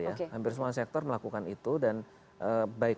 jadi mereka punya tamaran suruhan dan kebenaran